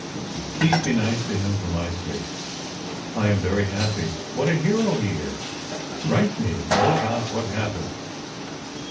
Please be nice to him for my sake. I am very happy. What a hero he is! Write me all about what happened."